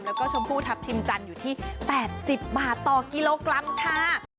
แล้วก็ชมพูทัพทิมจันทร์อยู่ที่๘๐บาทต่อกิโลกรัมค่ะ